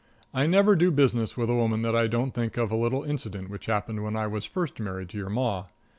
I never do business with a woman that I don't think of a little incident which happened when I was first married to your Ma.